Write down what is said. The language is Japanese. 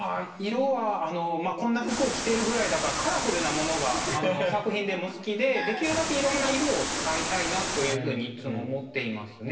色はあのこんな服を着てるぐらいだからカラフルなものが作品でも好きでできるだけいろんな色を使いたいなというふうにいつも思っていますね。